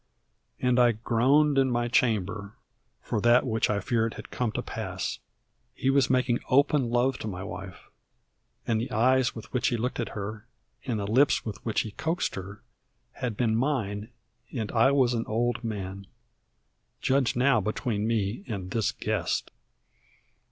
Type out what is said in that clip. And I groaned in my chamber; for that which I feared had come to pass. He was making open love to my wife. And the eyes with which he looked at her, and the lips with which he coaxed her, had been mine; and I was an old man. Judge now between me and this guest.